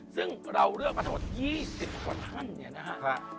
ซึ่งเราเลือกมาทั้งหมด๒๐กว่าท่าน